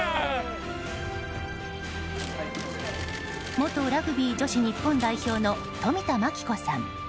元ラグビー女子日本代表の冨田真紀子さん。